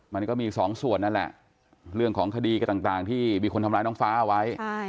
มันก็มีสองส่วนนั่นแหละเรื่องของคดีก็ต่างที่มีคนทำร้ายน้องฟ้าเอาไว้